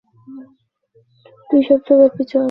এটি দুই সপ্তাহ ব্যাপী চলে।